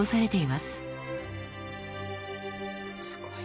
すごいな。